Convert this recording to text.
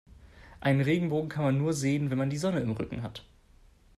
Einen Regenbogen kann man nur sehen, wenn man die Sonne im Rücken hat.